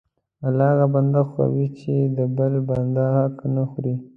الله هغه بنده خوښوي چې د بل بنده حق نه خوري.